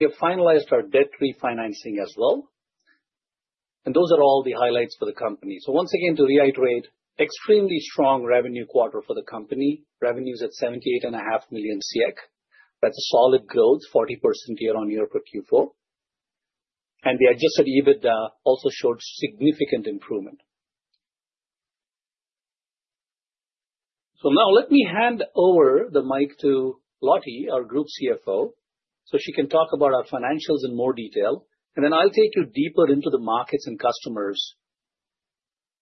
We have finalized our debt refinancing as well. Those are all the highlights for the company. To reiterate, extremely strong revenue quarter for the company, revenues at 78.5 million. That is a solid growth, 40% year on year per Q4. The adjusted EBITDA also showed significant improvement. Now let me hand over the mic to Lottie, our Group CFO, so she can talk about our financials in more detail. I will take you deeper into the markets and customers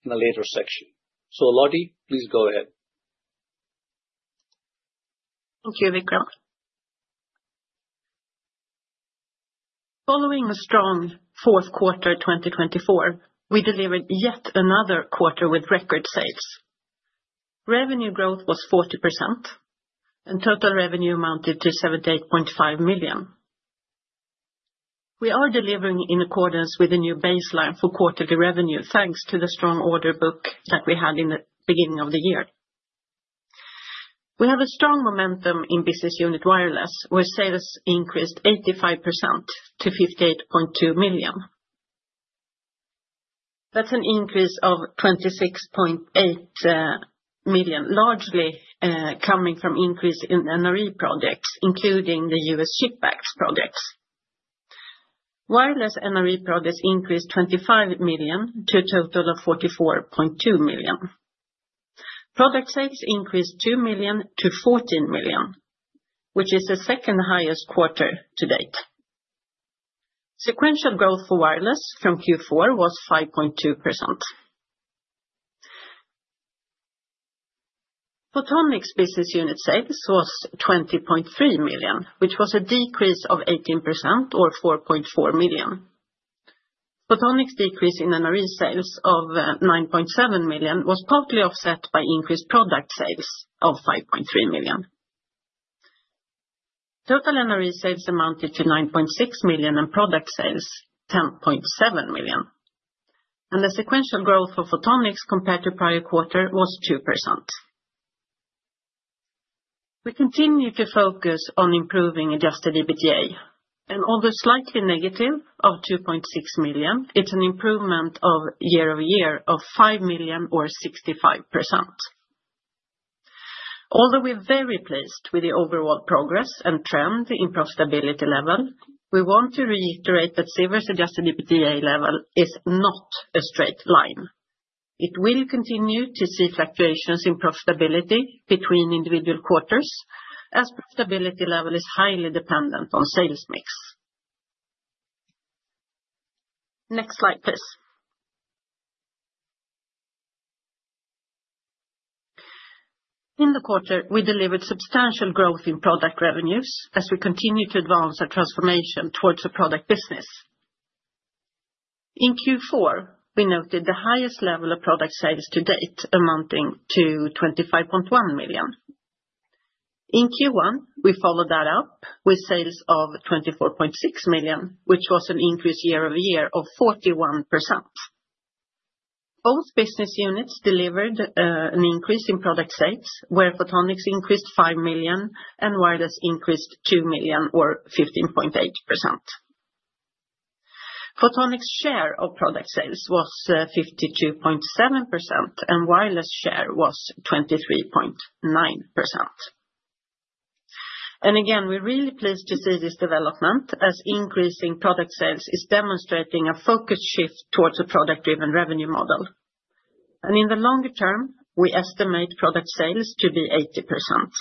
in a later section. Lottie, please go ahead. Thank you, Vikram. Following a strong Fourth Quarter 2024, we delivered yet another quarter with record sales. Revenue growth was 40%, and total revenue amounted to 78.5 million. We are delivering in accordance with the new baseline for quarterly revenue, thanks to the strong order book that we had in the beginning of the year. We have a strong momentum in business unit wireless, where sales increased 85% to 58.2 million. That's an increase of 26.8 million, largely coming from increase in NRE projects, including the US CHIPS Act projects. Wireless NRE projects increased 25 million to a total of 44.2 million. Product sales increased 2 million to 14 million, which is the second highest quarter to date. Sequential growth for wireless from Q4 was 5.2%. Photonics business unit sales was 20.3 million, which was a decrease of 18%, or 4.4 million. Photonics decrease in NRE sales of 9.7 million was partly offset by increased product sales of 5.3 million. Total NRE sales amounted to 9.6 million and product sales 10.7 million. The sequential growth for Photonics compared to prior quarter was 2%. We continue to focus on improving adjusted EBITDA. Although slightly negative at 2.6 million, it is an improvement year over-year-of 5 million, or 65%. Although we are very pleased with the overall progress and trend in profitability level, we want to reiterate that Sivers adjusted EBITDA level is not a straight line. It will continue to see fluctuations in profitability between individual quarters, as profitability level is highly dependent on sales mix. Next slide, please. In the quarter, we delivered substantial growth in product revenues as we continue to advance our transformation towards a product business. In Q4, we noted the highest level of product sales to date, amounting to 25.1 million. In Q1, we followed that up with sales of 24.6 million, which was an increase year over year of 41%. Both business units delivered an increase in product sales, where Photonics increased 5 million and Wireless increased 2 million, or 15.8%. Photonics share of product sales was 52.7%, and Wireless share was 23.9%. We are really pleased to see this development, as increasing product sales is demonstrating a focused shift towards a product-driven revenue model. In the longer term, we estimate product sales to be 80%.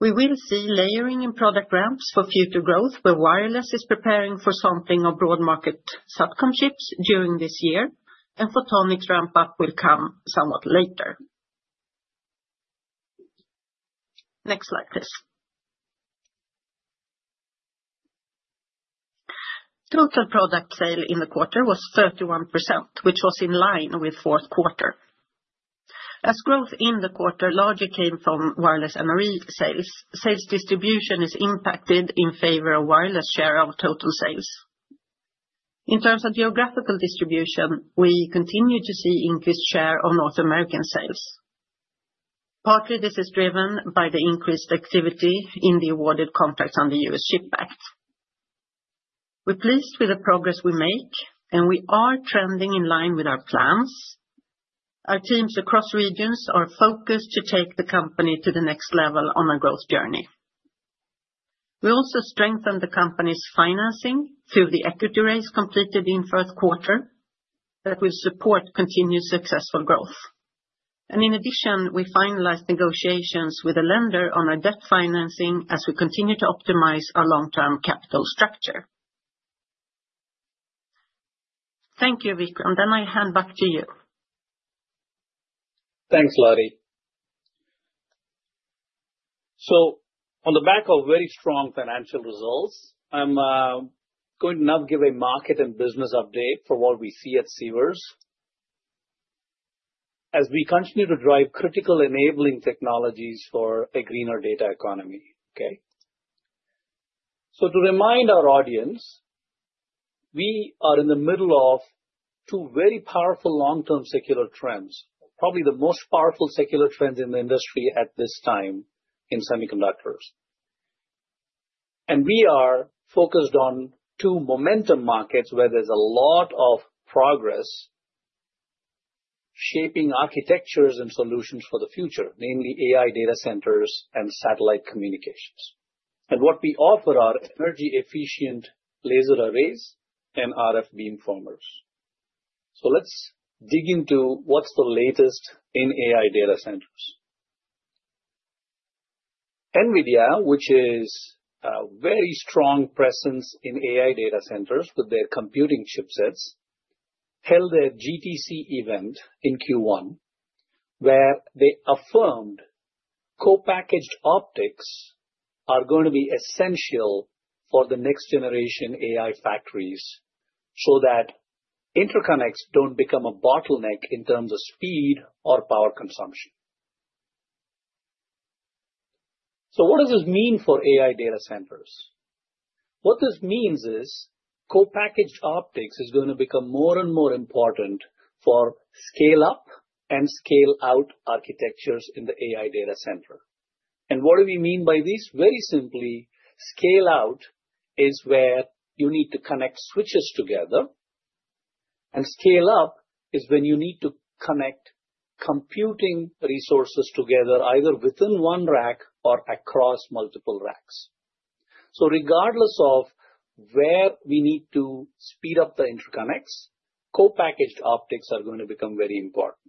We will see layering in product ramps for future growth, where Wireless is preparing for some broad market subcontracts during this year, and the Photonics ramp-up will come somewhat later. Next slide, please. Total product sale in the quarter was 31%, which was in line with fourth quarter. As growth in the quarter largely came from wireless NRE sales, sales distribution is impacted in favor of wireless share of total sales. In terms of geographical distribution, we continue to see increased share of North American sales. Partly, this is driven by the increased activity in the awarded contracts under US CHIPS Act. We are pleased with the progress we make, and we are trending in line with our plans. Our teams across regions are focused to take the company to the next level on our growth journey. We also strengthened the company's financing through the equity raise completed in fourth quarter that will support continued successful growth. In addition, we finalized negotiations with a lender on our debt financing as we continue to optimize our long-term capital structure. Thank you, Vikram. I hand back to you. Thanks, Lottie. On the back of very strong financial results, I'm going to now give a market and business update for what we see at Sivers as we continue to drive critical enabling technologies for a greener data economy. Okay? To remind our audience, we are in the middle of two very powerful long-term secular trends, probably the most powerful secular trends in the industry at this time in Semiconductors. We are focused on two momentum markets where there's a lot of progress shaping architectures and solutions for the future, namely AI data centers and satellite communications. What we offer are energy-efficient laser arrays and RF Beamformers. Let's dig into what's the latest in AI data centers. NVIDIA, which has a very strong presence in AI data centers with their computing chipsets, held a GTC event in Q1 where they affirmed co-packaged optics are going to be essential for the next generation AI factories so that interconnects do not become a bottleneck in terms of speed or power consumption. What does this mean for AI data centers? What this means is co-packaged optics is going to become more and more important for scale-up and scale-out architectures in the AI data center. What do we mean by this? Very simply, scale-out is where you need to connect switches together, and scale-up is when you need to connect computing resources together either within one rack or across multiple racks. Regardless of where we need to speed up the interconnects, co-packaged optics are going to become very important.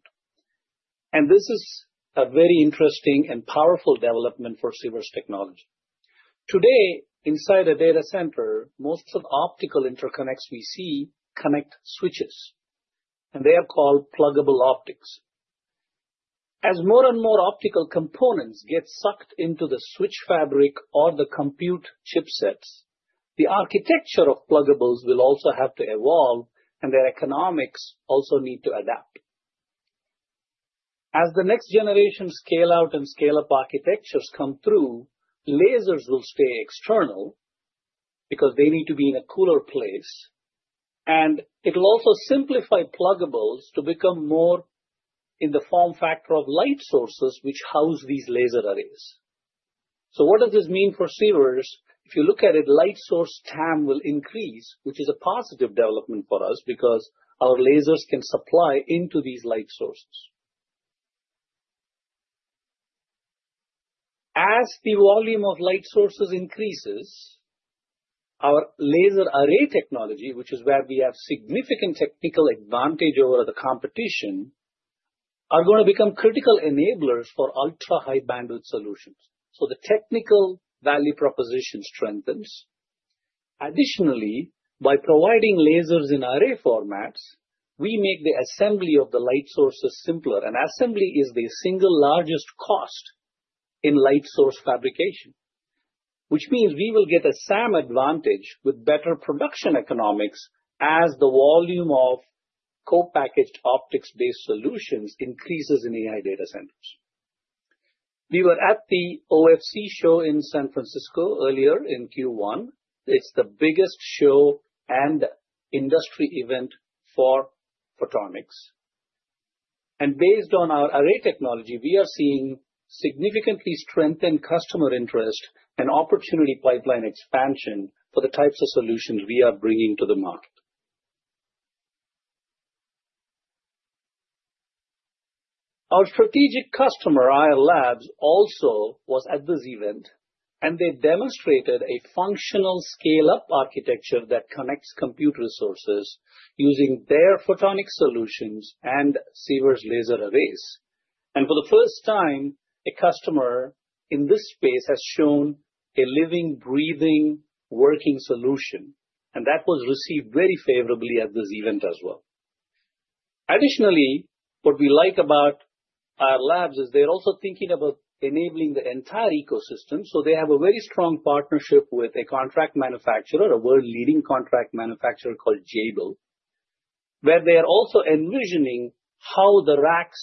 This is a very interesting and powerful development for Sivers technology. Today, inside a data center, most of the optical interconnects we see connect switches, and they are called pluggable optics. As more and more optical components get sucked into the switch fabric or the compute chipsets, the architecture of pluggables will also have to evolve, and their economics also need to adapt. As the next generation scale-out and scale-up architectures come through, lasers will stay external because they need to be in a cooler place. It will also simplify pluggables to become more in the form factor of light sources which house these laser arrays. What does this mean for Sivers? If you look at it, light source TAM will increase, which is a positive development for us because our lasers can supply into these light sources. As the volume of light sources increases, our laser array technology, which is where we have significant technical advantage over the competition, is going to become critical enablers for ultra-high bandwidth solutions. The technical value proposition strengthens. Additionally, by providing lasers in array formats, we make the assembly of the light sources simpler. Assembly is the single largest cost in light source fabrication, which means we will get a SAM advantage with better production economics as the volume of co-packaged optics-based solutions increases in AI data centers. We were at the OFC show in San Francisco earlier in Q1. It is the biggest show and industry event for photonics. Based on our array technology, we are seeing significantly strengthened customer interest and opportunity pipeline expansion for the types of solutions we are bringing to the market. Our strategic customer, Ayar Labs, also was at this event, and they demonstrated a functional scale-up architecture that connects compute resources using their photonics solutions and Sivers laser arrays. For the first time, a customer in this space has shown a living, breathing, working solution, and that was received very favorably at this event as well. Additionally, what we like about Ayar Labs is they're also thinking about enabling the entire ecosystem. They have a very strong partnership with a contract manufacturer, a world-leading contract manufacturer called Jabil, where they are also envisioning how the racks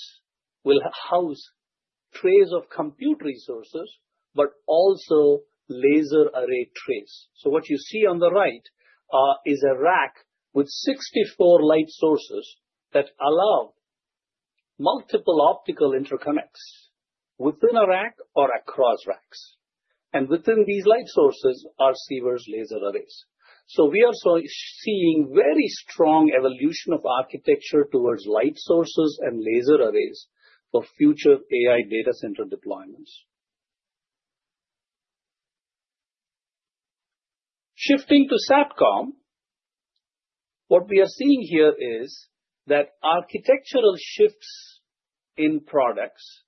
will house trays of compute resources, but also laser array trays. What you see on the right is a rack with 64 light sources that allow multiple optical interconnects within a rack or across racks. Within these light sources are Sivers laser arrays. We are seeing very strong evolution of architecture towards light sources and laser arrays for future AI data center deployments. Shifting to SATCOM, what we are seeing here is that architectural shifts in products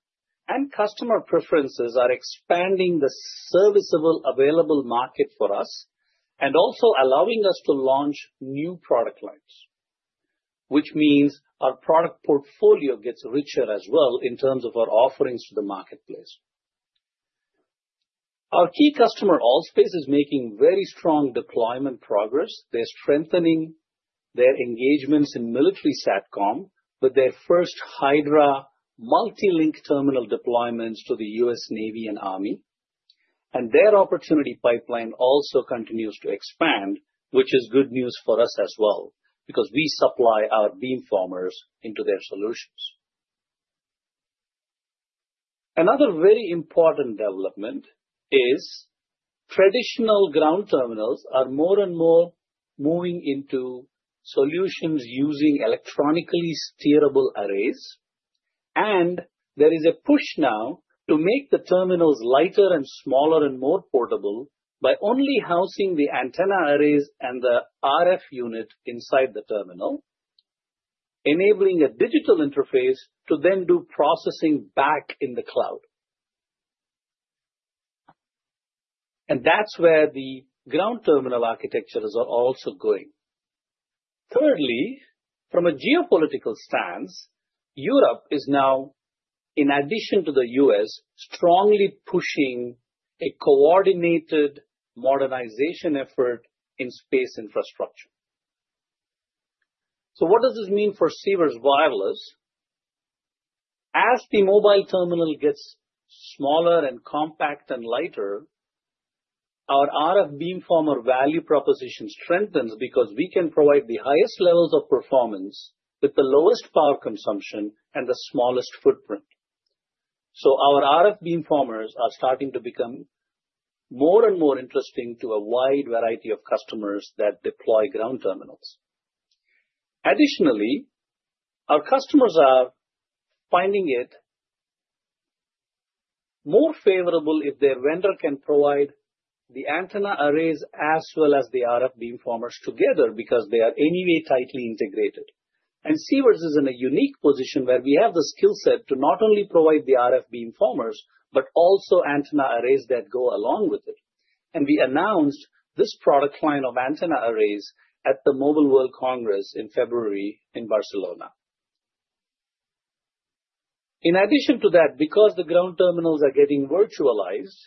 and customer preferences are expanding the serviceable available market for us and also allowing us to launch new product lines, which means our product portfolio gets richer as well in terms of our offerings to the marketplace. Our key customer, Allspace, is making very strong deployment progress. They're strengthening their engagements in military SATCOM with their first Hydra multi-link terminal deployments to the US Navy and Army. Their opportunity pipeline also continues to expand, which is good news for us as well because we supply our beamformers into their solutions. Another very important development is traditional ground terminals are more and more moving into solutions using electronically steerable arrays. There is a push now to make the terminals lighter and smaller and more portable by only housing the antenna arrays and the RF unit inside the terminal, enabling a digital interface to then do processing back in the cloud. That is where the ground terminal architectures are also going. Thirdly, from a geopolitical stance, Europe is now, in addition to the U.S., strongly pushing a coordinated modernization effort in space infrastructure. What does this mean for Sivers wireless? As the mobile terminal gets smaller and compact and lighter, our RF Beamformer value proposition strengthens because we can provide the highest levels of performance with the lowest power consumption and the smallest footprint. Our RF Beamformers are starting to become more and more interesting to a wide variety of customers that deploy ground terminals. Additionally, our customers are finding it more favorable if their vendor can provide the antenna arrays as well as the RF Beamformers together because they are anyway tightly integrated. Sivers is in a unique position where we have the skill set to not only provide the RF Beamformers, but also antenna arrays that go along with it. We announced this product line of antenna arrays at the Mobile World Congress in February in Barcelona. In addition to that, because the ground terminals are getting virtualized,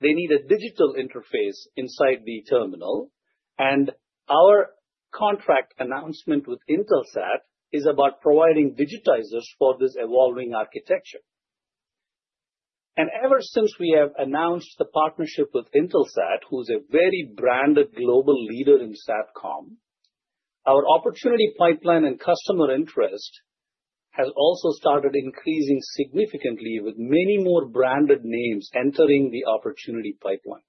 they need a digital interface inside the terminal. Our contract announcement with Intelsat is about providing digitizers for this evolving architecture. Ever since we have announced the partnership with Intelsat, who is a very branded global leader in SATCOM, our opportunity pipeline and customer interest has also started increasing significantly with many more branded names entering the opportunity pipeline.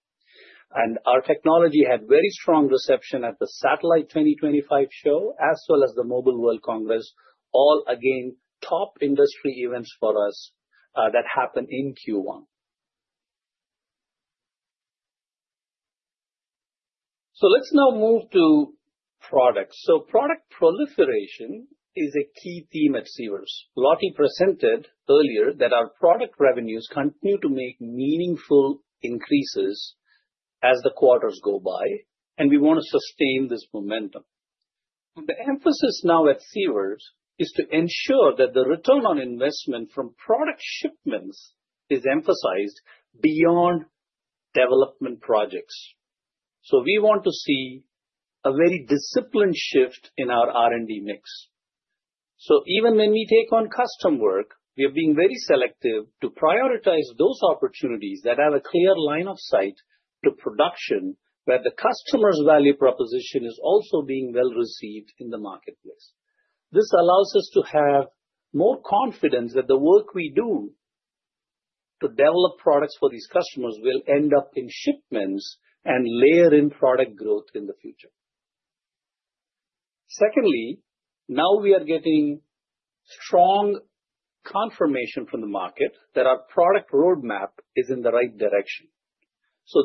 Our technology had very strong reception at the Satellite 2025 show as well as the Mobile World Congress, all again top industry events for us that happen in Q1. Let's now move to products. Product proliferation is a key theme at Sivers. Lottie presented earlier that our product revenues continue to make meaningful increases as the quarters go by, and we want to sustain this momentum. The emphasis now at Sivers is to ensure that the return on investment from product shipments is emphasized beyond development projects. We want to see a very disciplined shift in our R&D mix. Even when we take on custom work, we are being very selective to prioritize those opportunities that have a clear line of sight to production where the customer's value proposition is also being well received in the marketplace. This allows us to have more confidence that the work we do to develop products for these customers will end up in shipments and layer in product growth in the future. Secondly, now we are getting strong confirmation from the market that our product roadmap is in the right direction.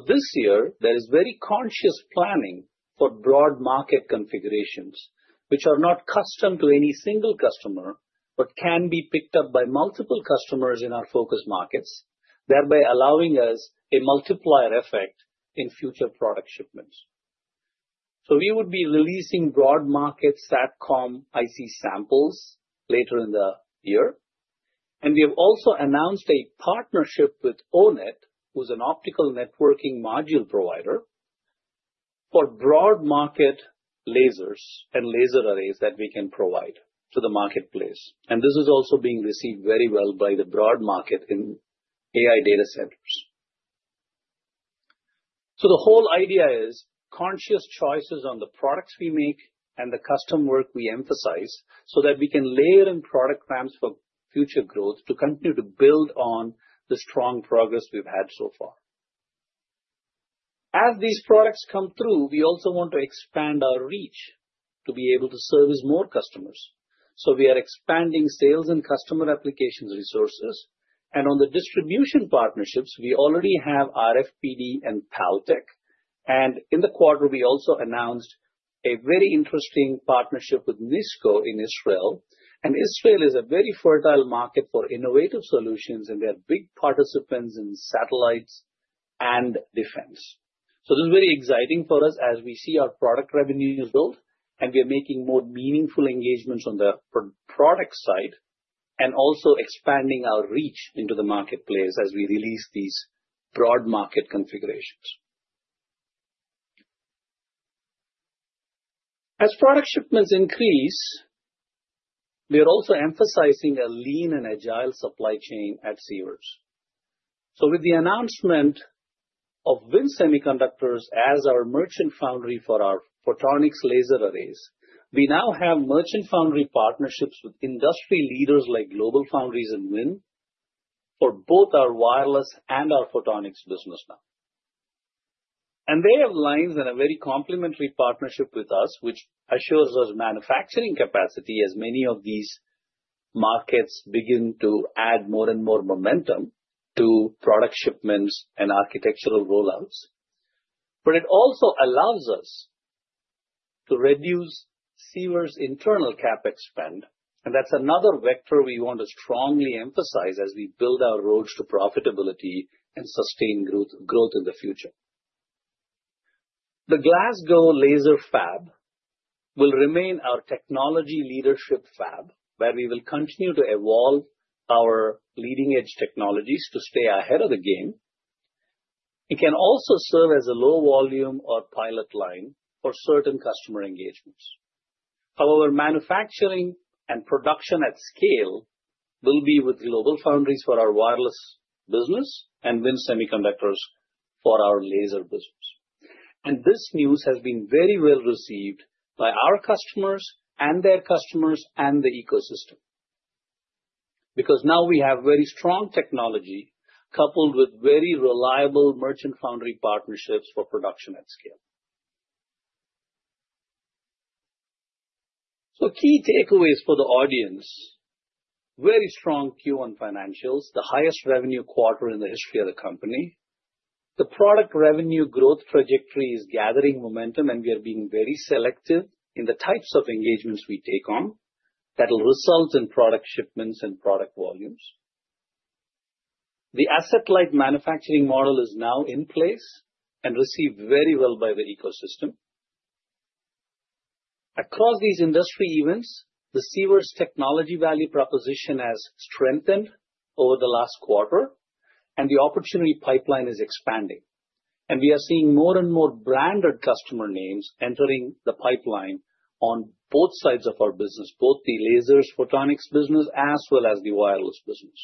This year, there is very conscious planning for broad market configurations which are not custom to any single customer, but can be picked up by multiple customers in our focus markets, thereby allowing us a multiplier effect in future product shipments. We would be releasing broad market SATCOM IC samples later in the year. We have also announced a partnership with O-Net Technologies, who's an optical networking module provider, for broad market lasers and laser arrays that we can provide to the marketplace. This is also being received very well by the broad market in AI data centers. The whole idea is conscious choices on the products we make and the custom work we emphasize so that we can layer in product plans for future growth to continue to build on the strong progress we've had so far. As these products come through, we also want to expand our reach to be able to service more customers. We are expanding sales and customer applications resources. On the distribution partnerships, we already have RFPD and PALTEK. In the quarter, we also announced a very interesting partnership with NISCO Inc in Israel. Israel is a very fertile market for innovative solutions, and they are big participants in satellites and defense. This is very exciting for us as we see our product revenues build, and we are making more meaningful engagements on the product side and also expanding our reach into the marketplace as we release these broad market configurations. As product shipments increase, we are also emphasizing a lean and agile supply chain at Sivers. With the announcement of WIN Semiconductors as our merchant foundry for our Photonics laser arrays, we now have merchant foundry partnerships with industry leaders like GlobalFoundries and WIN for both our wireless and our Photonics business now. They have lines and a very complementary partnership with us, which assures us manufacturing capacity as many of these markets begin to add more and more momentum to product shipments and architectural rollouts. It also allows us to reduce Sivers' internal CapEx. That is another vector we want to strongly emphasize as we build our roads to profitability and sustain growth in the future. The Glasgow Laser Fab will remain our technology leadership fab where we will continue to evolve our leading-edge technologies to stay ahead of the game. It can also serve as a low-volume or pilot line for certain customer engagements. However, manufacturing and production at scale will be with GlobalFoundries for our wireless business and WIN Semiconductors for our laser business. This news has been very well received by our customers and their customers and the ecosystem because now we have very strong technology coupled with very reliable merchant foundry partnerships for production at scale. Key takeaways for the audience: very strong Q1 financials, the highest revenue quarter in the history of the company. The product revenue growth trajectory is gathering momentum, and we are being very selective in the types of engagements we take on that will result in product shipments and product volumes. The asset-like manufacturing model is now in place and received very well by the ecosystem. Across these industry events, the Sivers technology value proposition has strengthened over the last quarter, and the opportunity pipeline is expanding. We are seeing more and more branded customer names entering the pipeline on both sides of our business, both the lasers Photonics business as well as the wireless business.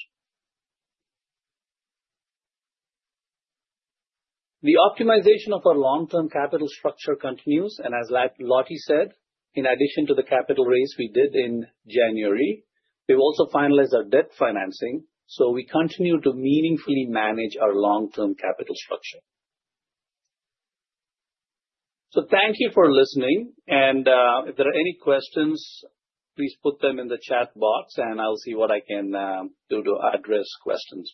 The optimization of our long-term capital structure continues. As Lottie said, in addition to the capital raise we did in January, we have also finalized our debt financing. We continue to meaningfully manage our long-term capital structure. Thank you for listening. If there are any questions, please put them in the chat box, and I'll see what I can do to address questions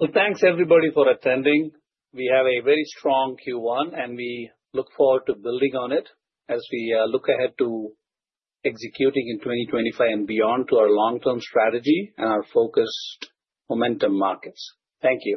now. Thanks everybody for attending. We have a very strong Q1, and we look forward to building on it as we look ahead to executing in 2025 and beyond to our long-term strategy and our focused momentum markets. Thank you.